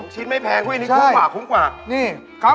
ดีก็แบ่งใส่แล้วก็